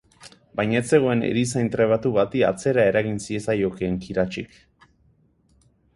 Baina ez zegoen erizain trebatu bati atzera eragin ziezaiokeen kiratsik.